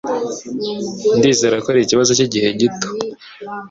Ndizera ko arikibazo cyigihe gito.